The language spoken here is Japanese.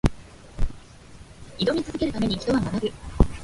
挑み続けるために、人は学ぶ。